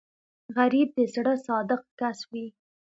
غریب د زړه صادق کس وي